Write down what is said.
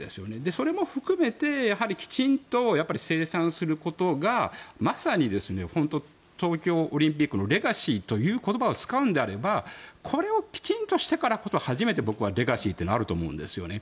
それも含めてやはりきちんと、清算することがまさに東京オリンピックのレガシーという言葉を使うのであれば、これをきちんとしてからこそ初めて、レガシーになると思うんですね。